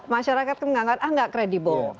masyarakat menganggap ah nggak kredibel